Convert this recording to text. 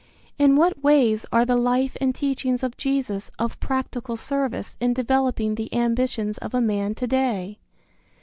In what ways are the life and teachings of Jesus of practical service in developing the ambitions of a man to day?